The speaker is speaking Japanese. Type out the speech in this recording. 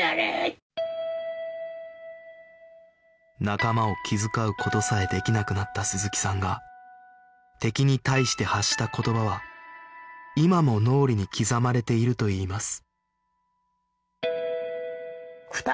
仲間を気遣う事さえできなくなった鈴木さんが敵に対して発した言葉は今も脳裏に刻まれているといいます